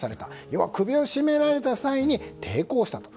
要は首を絞められた際に抵抗したと。